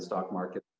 apakah itu akan